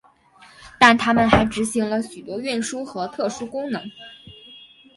但他们还执行了许多运输和特殊功能。